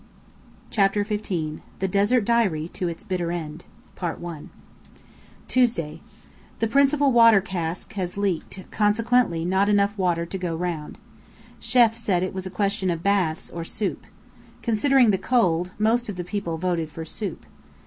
CHAPTER XV THE DESERT DIARY TO ITS BITTER END Tuesday: The principal water cask has leaked; consequently not enough water to go round. Chêf said it was a question of baths, or soup. Considering the cold, most of the people voted for soup.